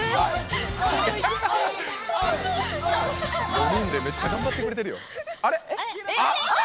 ４人でめっちゃ頑張ってくれてるよ。